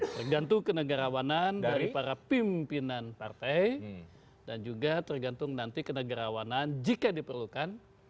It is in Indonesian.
tergantung kenegarawanan dari para pimpinan partai dan juga tergantung nanti kenegarawanan jika diperlukan